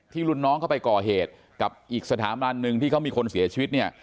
รุ่นน้องเข้าไปก่อเหตุกับอีกสถาบันหนึ่งที่เขามีคนเสียชีวิตเนี่ย